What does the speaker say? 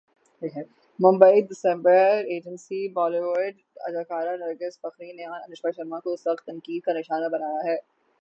Mumbai December agency Bollywood اداکارہ نرگس فخری نے انوشکا شرما کو سخت تنقید کا نشانہ بنایا ہے